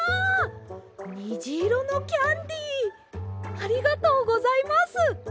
ありがとうございます！